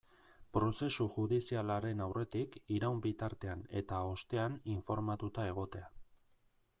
Prozesu judizialaren aurretik, iraun bitartean eta ostean informatuta egotea.